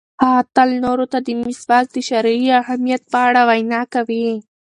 هغه تل نورو ته د مسواک د شرعي اهمیت په اړه وینا کوي.